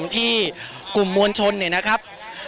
ที่กลุ่มมวลชนเนี่ยนะครับ